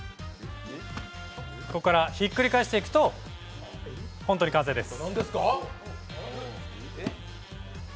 ここからひっくり返していくと、本当に完成です。